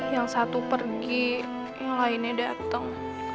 yang satu pergi yang lainnya datang